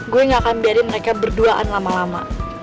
gue gak akan biarin mereka berduaan lama lama